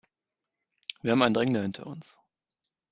Wir haben einen Drängler hinter uns.